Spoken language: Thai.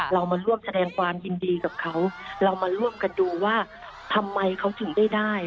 เรามาร่วมแสดงความยินดีกับเขาเรามาร่วมกันดูว่าทำไมเขาถึงได้ได้